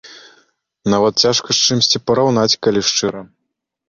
Нават цяжка з чымсьці параўнаць, калі шчыра.